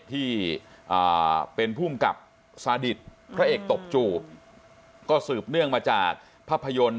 ที่เป็นภูมิกับซาดิตพระเอกตบจูบก็สืบเนื่องมาจากภาพยนตร์